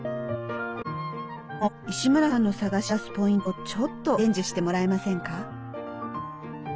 でも石村さんの探し出すポイントをちょっと伝授してもらえませんか？